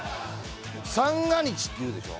三が日って言うでしょ？